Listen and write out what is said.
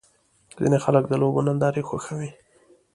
ځینې خلک د لوبو نندارې خوښوي.